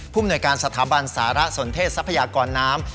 มนวยการสถาบันสารสนเทศทรัพยากรน้ำ